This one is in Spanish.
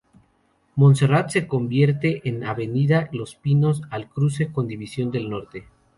Montserrat se convierte en Avenida Los Pinos al cruce con División del Norte.